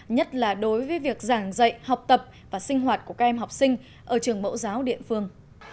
nhất là đối với việc giảng dạy học tập và sinh hoạt của các em học sinh ở trường mẫu giáo địa phương